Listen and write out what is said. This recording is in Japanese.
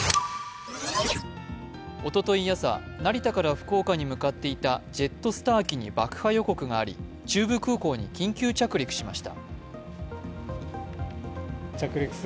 おととい朝、成田から福岡に向かっていたジェットスター機に爆破予告があり中部空港に緊急着陸しました。